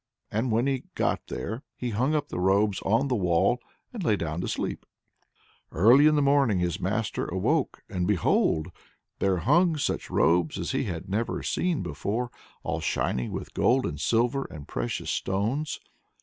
And when he got there he hung up the robes on the wall, and lay down to sleep. Early in the morning his master awoke, and behold! there hung such robes as he had never seen before, all shining with gold and silver and precious stones.